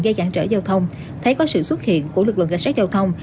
gai giãn trở giao thông thấy có sự xuất hiện của lực lượng cảnh sát giao thông